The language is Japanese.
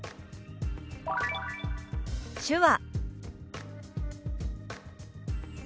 「手話」。